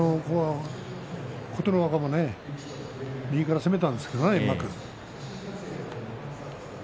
琴ノ若もね右から攻めたんですけれどねうまく。